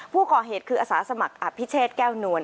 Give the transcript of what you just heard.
ผู้ก่อเหตุคืออาสาสมัครอภิเชษแก้วนวล